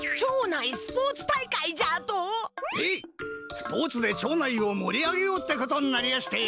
スポーツで町内をもり上げようってことになりやして。